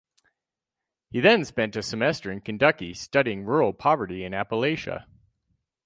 He then spent a semester in Kentucky studying rural poverty in Appalachia.